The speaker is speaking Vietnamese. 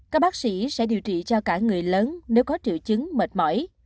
các bác sĩ sẽ điều trị cho cả người lớn nếu có triệu chứng mệt mỏi